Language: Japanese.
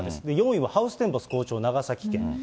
４位はハウステンボス好調、長崎県。